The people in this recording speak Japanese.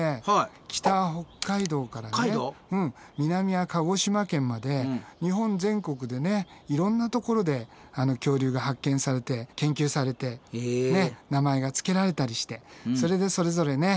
北は北海道から南は鹿児島県まで日本全国でねいろんなところで恐竜が発見されて研究されて名前がつけられたりしてそれでそれぞれね